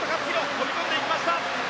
飛び込んでいきました。